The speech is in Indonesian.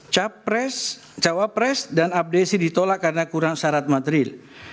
capres cawapres dan abdesi ditolak karena kurang syarat material